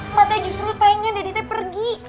emaknya justru pengen dedete pergi